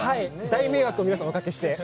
大迷惑を皆さんにおかけして。